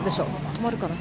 止まるかな。